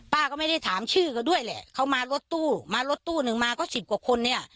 ป้าก็ไม่ได้ถามชื่อเขาด้วยแหละเขามารถตู้มารถตู้หนึ่งมาก็สิบกว่าคนเนี่ย